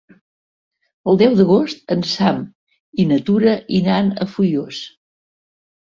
El deu d'agost en Sam i na Tura iran a Foios.